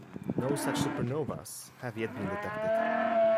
No such supernovas have yet been detected.